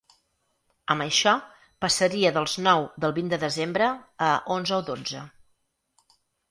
Amb això passaria dels nou del vint de desembre a onze o dotze.